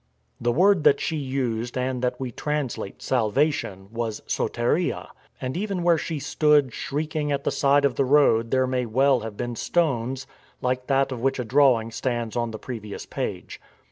The word that she used and that we translate " sal vation " was "soteria";* and even where she stood shrieking at the side of the road there may well have been stones like that of which a drawing stands on the previous page.